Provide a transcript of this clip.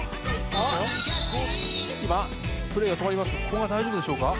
古賀大丈夫でしょうか？